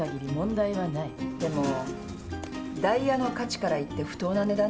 でもダイヤの価値からいって不当な値段ですよ。